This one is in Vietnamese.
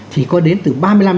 chỉ có đến từ ba mươi năm ba